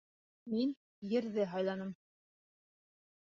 Мин Ерҙе һайланым.